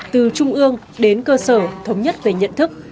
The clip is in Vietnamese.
từ trung ương đến cơ sở thống nhất về nhận thức